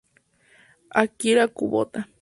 Akira Kubota